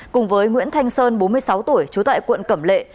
cùng với nguyễn thanh sơn bốn mươi sáu tuổi trú tại quận cẩm lệ